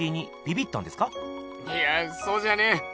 いやぁそうじゃねえ。